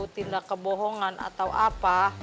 tindak kebohongan atau apa